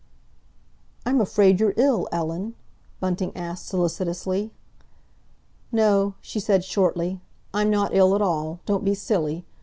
"I'm afraid you're ill, Ellen?" Bunting asked solicitously. "No," she said shortly; "I'm not ill at all. Don't be silly!